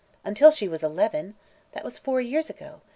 "Until she was eleven. That was four years ago.